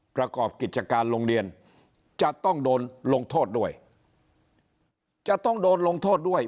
ประกอบกิจการโรงเรียนจะต้องโดนลงโทษด้วย